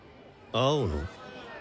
青野？